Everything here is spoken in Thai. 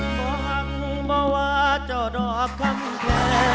ขอขอบคุณบ่วงว่าเจ้าดอบคำแทน